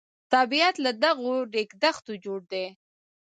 طبیعت له دغو ریګ دښتو جوړ دی.